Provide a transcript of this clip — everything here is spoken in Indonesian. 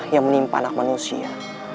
yang menimpa anak manusia